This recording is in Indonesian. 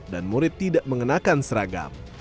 dan murid tidak mengenakan seragam